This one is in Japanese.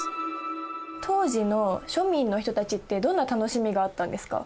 当時の庶民の人たちってどんな楽しみがあったんですか？